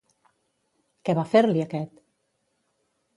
Què va fer-li aquest?